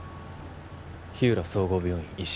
日浦総合病院医師